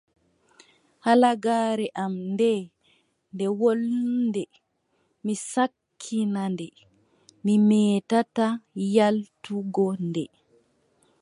Halagaare am ndee, nde wooɗnde, mi sakkina nde, mi meetataa yaaltugo nde.